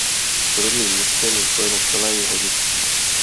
S rodným městem je spojeno celé jeho dětství.